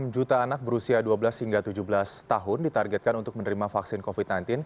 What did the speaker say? enam juta anak berusia dua belas hingga tujuh belas tahun ditargetkan untuk menerima vaksin covid sembilan belas